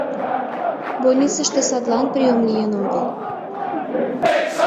Больницыште садлан приём лийын огыл.